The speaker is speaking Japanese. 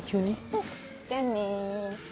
うんじゃあね。